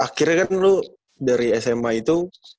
akhirnya kan dulu dari sma itu